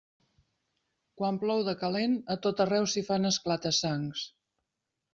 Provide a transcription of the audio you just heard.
Quan plou de calent, a tot arreu s'hi fan esclata-sangs.